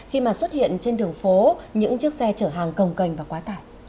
khi mà xuất hiện trên đường phố những chiếc xe chở hàng công cành và quá tải